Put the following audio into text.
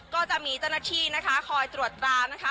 ก็จะมีเจ้าหน้าที่นะคะคอยตรวจตรานะคะ